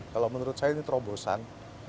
kalau menurut saya ini terobosan